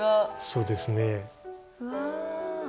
そうですね。